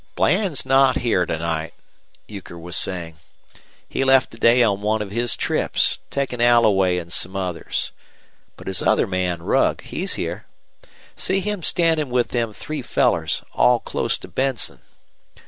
"Bland's not here to night," Euchre was saying. "He left today on one of his trips, takin' Alloway an' some others. But his other man, Rugg, he's here. See him standin' with them three fellers, all close to Benson.